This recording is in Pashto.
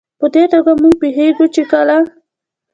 په دې توګه موږ پوهېږو چې کله